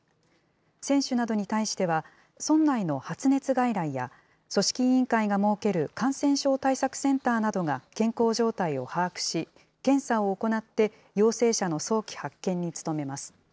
選手などに対しては、村内の発熱外来や組織委員会が設ける感染症対策センターなどが健康状態を把握し、検査を行って陽性者の早期発見に努めます。